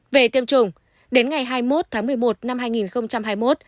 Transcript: về tiêm chủng đến ngày hai mươi một tháng một mươi một năm hai nghìn hai mươi một